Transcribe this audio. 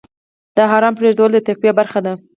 د حرام پرېښودل د تقوی برخه ده.